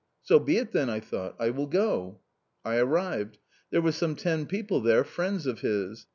' So be it then,' I thought, 'I will go.' I arrived. There were some ten people there, friends of his.